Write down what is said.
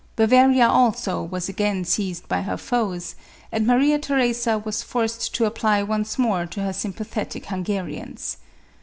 Bavaria also, was again seized by her foes ; and Maria Theresa was forced to apply once more to her sympathetic Hungarians.